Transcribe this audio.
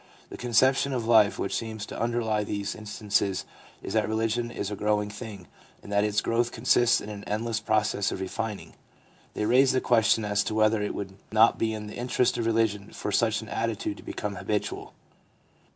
The conception of life which seems to underlie these in stances is that religion is a growing thing, and that its growth consists in an endless process of refining. They raise the question as to whether it would not be in the interest of religion for such an attitude to become habitual.